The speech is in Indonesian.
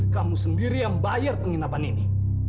kamu sendiri yang bayar penginapan ini